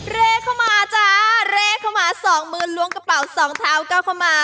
เรียกเข้ามาจ้าเร่เข้ามาสองมือล้วงกระเป๋าสองเท้าเก้าเข้ามา